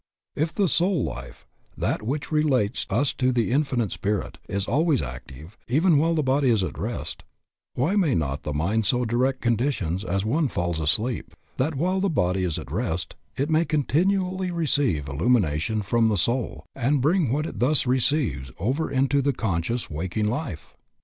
If the soul life, that which relates us to Infinite Spirit, is always active, even while the body is at rest, why may not the mind so direct conditions as one falls asleep, that while the body is at rest, it may continually receive illumination from the soul and bring what it thus receives over into the conscious, waking life?